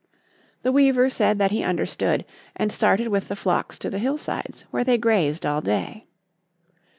The weaver said that he understood, and started with the flocks to the hillsides where they grazed all day.